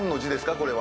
これは。